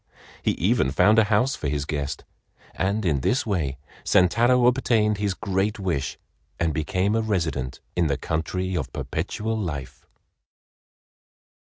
He even found a house for his guest, and in this way Sentaro obtained his great wish and became a resident in the country of Perpetual Life.